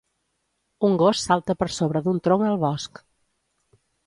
Un gos salta per sobre d'un tronc al bosc.